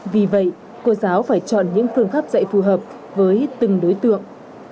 vì vậy cô giáo phải chọn những phương pháp dạy phù hợp với từng đối tượng